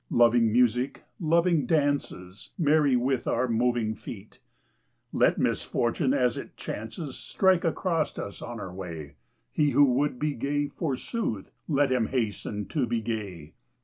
Loving music, loving dances. Merry with our moving feet ! Let misfortune as it chances Strike across us on our way : He who would be gay, forsooth, Let him hasten to be gay.